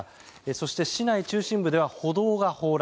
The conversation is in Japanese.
そして、市内中心部では歩道が崩落。